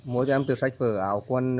mỗi em từ sách vở áo quần